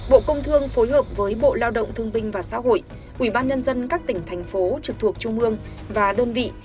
ba bộ công thương phối hợp với bộ lao động thương binh và xã hội ubnd các tỉnh thành phố trực thuộc trung ương và đơn vị